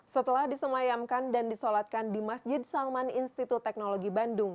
setelah disemayamkan dan disolatkan di masjid salman institut teknologi bandung